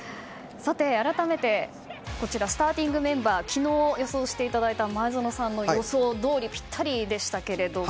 改めて、スターティングメンバー昨日予想していただいた前園さんの予想どおりぴったりでしたけども。